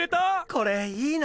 これいいな。